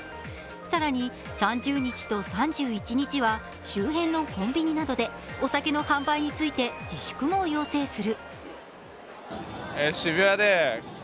更に３０日と３１日には周辺のコンビニなどでお酒の販売について自粛も要請する。